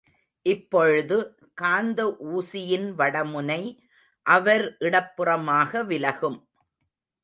இப்பொழுது காந்த ஊசியின் வடமுனை அவர் இடப்புறமாக விலகும்.